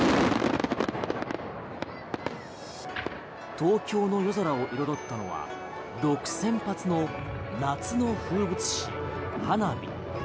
東京の夜空を彩ったのは６０００発の夏の風物詩、花火。